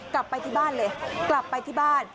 กลับไปที่บ้านเลยกลับไปที่บ้าน